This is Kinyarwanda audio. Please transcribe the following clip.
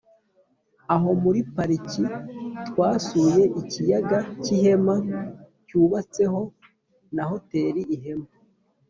Aho muri pariki twasuye ikiyaga k’Ihema cyubatseho na Hoteri Ihema,